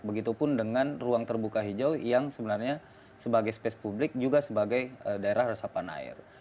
begitupun dengan ruang terbuka hijau yang sebenarnya sebagai space publik juga sebagai daerah resapan air